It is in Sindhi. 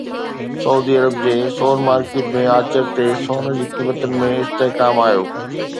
سعودي عرب جي سون مارڪيٽ ۾ آچر تي سون جي قيمتن ۾ استحڪام آيو